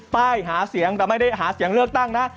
ป้ายหาเสียงแต่ไม่ได้หาเสียงเลือกตั้งนะ